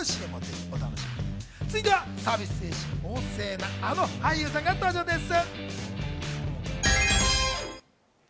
続いてはサービス精神旺盛なあの俳優さんが登場です。